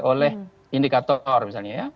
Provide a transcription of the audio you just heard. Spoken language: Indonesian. oleh indikator misalnya ya